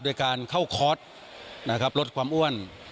ด้วยการเข้าคอร์สลดความอ้วน